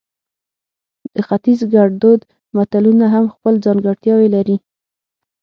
د ختیز ګړدود متلونه هم خپل ځانګړتیاوې لري